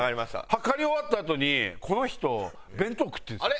測り終わったあとにこの人弁当食ってるんですよ。